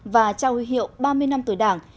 và trao hữu hiệu ba mươi năm tuổi đảng